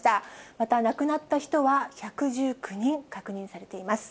また亡くなった人は１１９人確認されています。